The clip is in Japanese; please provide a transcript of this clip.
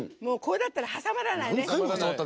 これだったら挟まらないね。